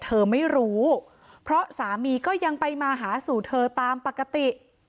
เธอไม่รู้เพราะสามีก็ยังไปมาหาสู่เธอตามปกติ